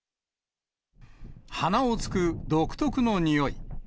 鼻をつく独特のにおい。